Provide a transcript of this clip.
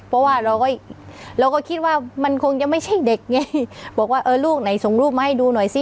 เพราะว่าเราก็เราก็คิดว่ามันคงจะไม่ใช่เด็กไงบอกว่าเออลูกไหนส่งรูปมาให้ดูหน่อยซิ